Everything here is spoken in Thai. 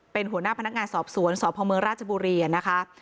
เป็นหัวหน้าพนักงานสอบสวนสพเมืองราชบุรีนะคะ